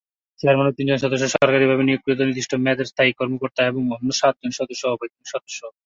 Chairman ও তিনজন সদস্য সরকারিভাবে নিয়োগকৃত নির্দিষ্ট মেয়াদের স্থায়ী কর্মকর্তা এবং অন্য সাতজন সদস্য অবৈতনিক সদস্য।